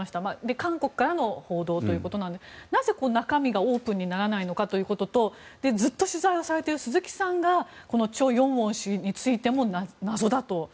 韓国からの報道ということでなぜ中身がオープンにならないのかとずっと取材されている鈴木さんがこのヨンウォン氏については謎だと。